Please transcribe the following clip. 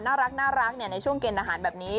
น่ารักในช่วงเกณฑ์อาหารแบบนี้